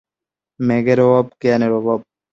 মেঘের অভাব জ্ঞানের অভাব।